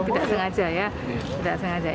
kalau tertembak itu kan tidak sengaja ya